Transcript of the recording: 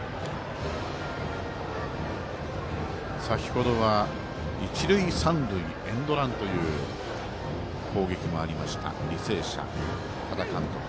先ほどは一塁三塁エンドランという攻撃もありました履正社、多田監督。